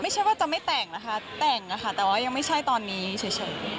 ไม่ใช่ว่าจะไม่แต่งนะคะแต่งนะคะแต่ว่ายังไม่ใช่ตอนนี้เฉย